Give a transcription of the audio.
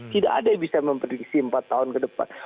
tidak ada yang bisa memprediksi empat tahun ke depan